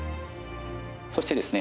そしてですね